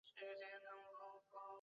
拉拉涅蒙泰格兰人口变化图示